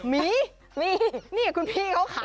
มีนี่นี่คุณพี่เขาขาย